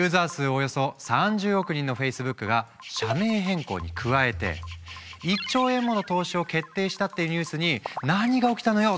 およそ３０億人のフェイスブックが社名変更に加えて１兆円もの投資を決定したっていうニュースに何が起きたのよ？